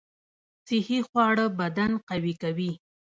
صحي خواړه بدن قوي کوي